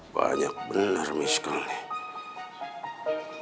banyak bener misko nih